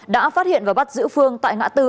đã phát hiện và bắt giữ phương tại ngã tư